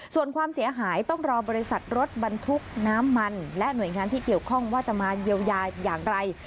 ส่วนความเสียหายต้องรอบริษัทรถบรรทุกน้ำมันและหน่วยงานที่เกี่ยวข้องว่าจะมาเยียวยาอย่างไร